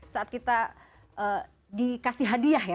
saat kita dikasih hadiah ya